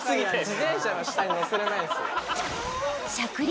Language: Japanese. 自転車の下に乗せれないですよ